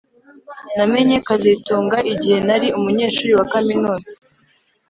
Namenye kazitunga igihe nari umunyeshuri wa kaminuza